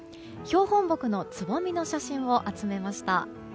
標本木のつぼみの写真を集めました。